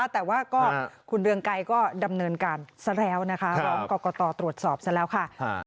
แต่ว่าก็คุณเรืองไกรก็ดำเนินการซะแล้วนะคะร้องกรกตตรวจสอบซะแล้วค่ะ